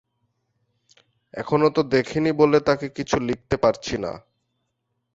এখনও তা দেখিনি বলে তাঁকে কিছু লিখতে পারছি না।